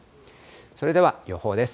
それでは、予報です。